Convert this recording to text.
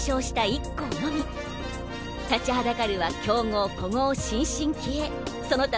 １校のみ立ちはだかるは強豪古豪新進気鋭その他